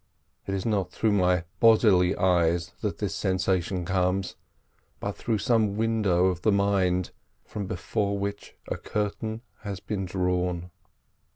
It is not through my bodily eyes that this sensation comes, but through some window of the mind, from before which a curtain has been drawn."